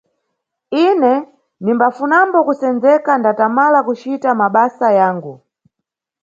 Ine nimbafunambo kusendzeka ndatamala kucita mabasa yangu.